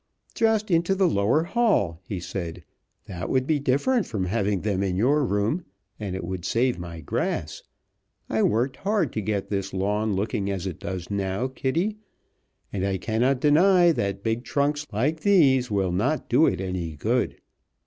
"Just into the lower hall," he said. "That would be different from having them in your room, and it would save my grass. I worked hard to get this lawn looking as it does now, Kitty, and I cannot deny that big trunks like these will not do it any good.